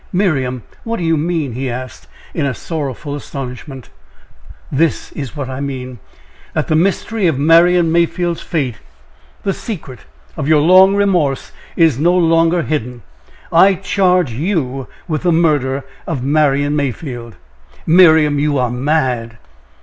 "Miriam, what do you mean?" he asked, in sorrowful astonishment. "This is what I mean! That the mystery of Marian Mayfield's fate, the secret of your long remorse, is no longer hidden! I charge you with the murder of Marian Mayfield!" "Miriam, you are mad!"